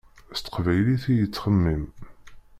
S teqbaylit i yettxemmim.